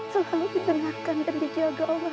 selalu ditengarkan dan dijaga allah